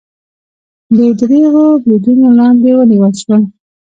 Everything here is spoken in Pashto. بې درېغو بریدونو لاندې ونیول شول